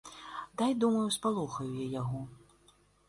Дай, думаю, спалохаю я яго.